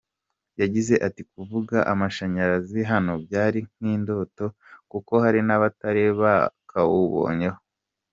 Yagize ati “Kuvuga amashanyarazi hano byari nk’indoto kuko hari n’abatari bakawubonyeho.